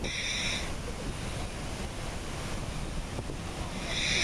A number of improvements were made to the bridge over the years.